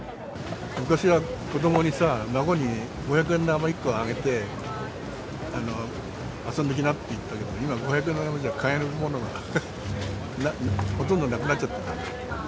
昔は子どもにさ、孫に、五百円玉１個あげて遊んできなって言ってたけど、今、五百円玉じゃ、買えるものがほとんどなくなっちゃってる。